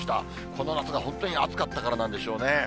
この夏が本当に暑かったからなんでしょうね。